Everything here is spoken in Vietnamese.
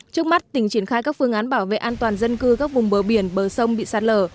trước mắt tỉnh triển khai các phương án bảo vệ an toàn dân cư các vùng bờ biển bờ sông bị sạt lở